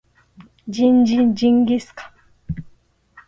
ジンジンジンギスカン